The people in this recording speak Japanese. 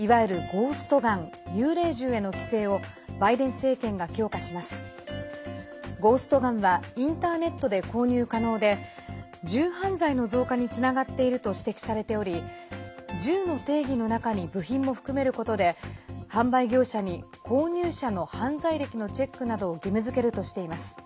ゴーストガンはインターネットで購入可能で銃犯罪の増加につながっていると指摘されており銃の定義の中に部品も含めることで販売業者に購入者の犯罪歴のチェックなどを義務づけるとしています。